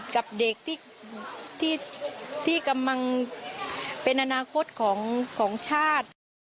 กับเด็กที่กำลังเป็นอนาคตของชาติ